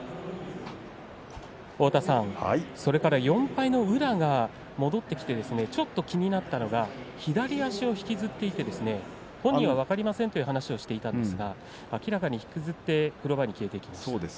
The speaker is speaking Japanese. ４敗の宇良が戻ってきてちょっと気になったのが左足を引きずっていて本人は分かりませんという話をしていましたが明らかに引きずって風呂場に消えていきました。